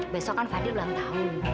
besok kan fadli ulang tahun